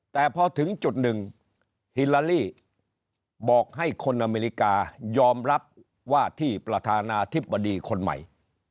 แต่พอถึงจุดหนึ่งฮิลาลี่บอกให้คนอเมริกายอมรับว่าที่ประธานาธิบดีคนใหม่